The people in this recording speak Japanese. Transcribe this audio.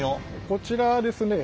こちらですね